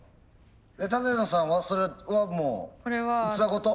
舘野さんはそれはもう器ごと？